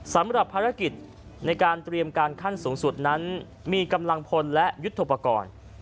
สำหรับภารกิจในการเตรียมการขั้นสูงสุดนั้นมีกำลังพลและยุทธโปรกรณ์